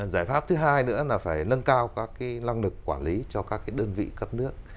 giải pháp thứ hai nữa là phải nâng cao các năng lực quản lý cho các đơn vị cấp nước